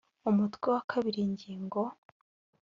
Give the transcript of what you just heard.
umutwe wa kabiri ingingo